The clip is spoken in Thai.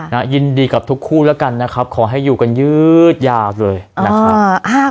ยินดีกับทุกคู่แล้วกันนะครับขอให้อยู่กันยืดยาวเลยนะครับ